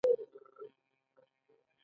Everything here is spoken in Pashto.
موږ ټول ازبیکان یو ډول نه یوو.